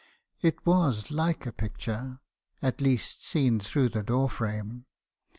It was like a picture ,— at least, seen through the door frame.